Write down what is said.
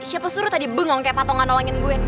siapa suruh tadi bengong kayak patungan olengin gue